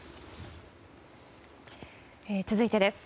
続いてです。